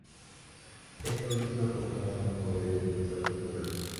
Esta última fue aprobada por el Defensor del Pueblo.